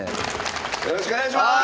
よろしくお願いします！